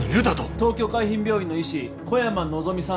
東京海浜病院の医師小山希望さん